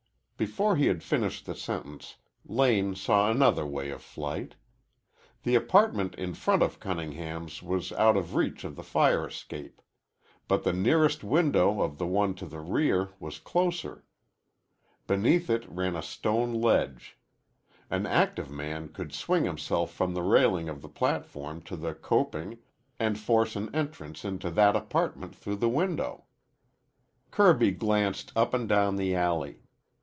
Before he had finished the sentence, Lane saw another way of flight. The apartment in front of Cunningham's was out of reach of the fire escape. But the nearest window of the one to the rear was closer. Beneath it ran a stone ledge. An active man could swing himself from the railing of the platform to the coping and force an entrance into that apartment through the window. Kirby glanced up and down the alley.